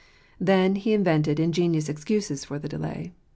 Then he invented ingenious excuses for the delay.